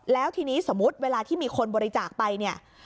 แล้วทีนี้สมมุติเวลาที่มีคนบริจาคไปเนี่ย